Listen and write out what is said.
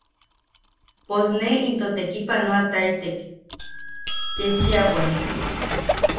Pos ne into tekipanoataitek ketchia bwan.